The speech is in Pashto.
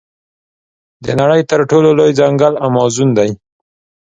د نړۍ تر ټولو لوی ځنګل امازون دی.